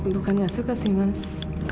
bukan nggak suka sih mas